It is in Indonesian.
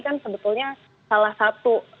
kan sebetulnya salah satu